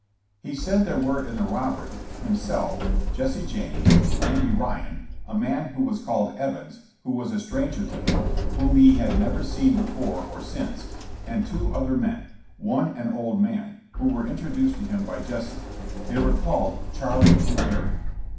He said there were in the robbery himself, Jesse James, Andy Ryan, a man who was called Evans, who was a stranger to him, whom he had never seen before or since, and two other men, one an old man, who were introduced to him by Jesse ; they were called Charlie and Harry.